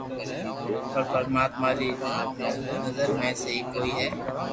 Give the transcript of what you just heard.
پر پرماتما ري نظر ۾ سھي ڪوئي ھي